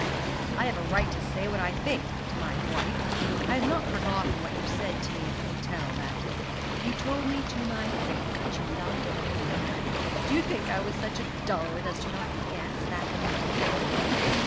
'I have a right to say what I think to my wife. I have not forgotten what you said to me at the hotel that day. You told me to my face that you loved another man. Do you think I was such a dullard as not to guess that man's name?